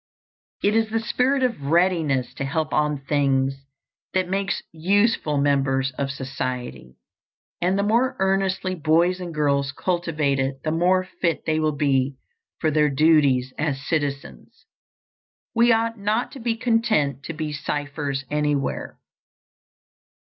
It is this spirit of readiness to help on things that makes useful members of society, and the more earnestly boys and girls cultivate it the more fit they will be for their duties as citizens. We ought not to be content to be ciphers anywhere.